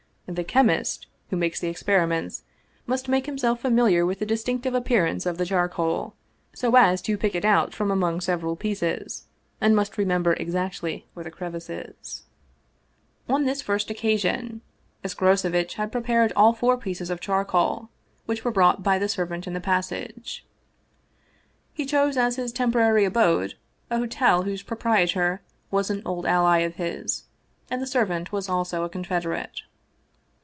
The " chemist " who makes the experiments must make himself familiar with the distinctive appearance of the charcoal, so as to pick it out from among several pieces, and must remember exactly where the crevice is. 236 Vsevolod Vladimirovitch Krestovski On this first occasion, Escrocevitch had prepared all four pieces of charcoal, which were brought by the servant in the passage. He chose as his temporary abode a hotel whose proprietor was an old ally of his, and the servant was also a confederate.